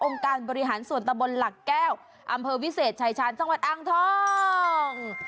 การบริหารส่วนตะบนหลักแก้วอำเภอวิเศษชายชาญจังหวัดอ้างทอง